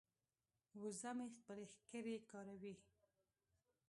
وزه مې خپلې ښکرې کاروي.